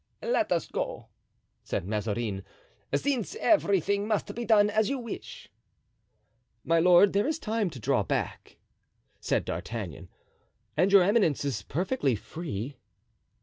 "Let us go," said Mazarin, "since everything must be done as you wish." "My lord, there is time to draw back," said D'Artagnan, "and your eminence is perfectly free."